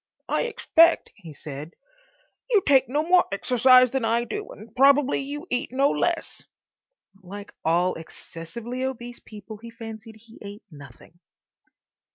"I expect," he said, "you take no more exercise than I do, and probably you eat no less." (Like all excessively obese people he fancied he ate nothing.)